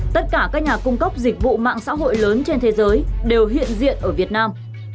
tất cả các nhà cung cấp dịch vụ mạng xã hội lớn trên thế giới đều hiện diện ở việt nam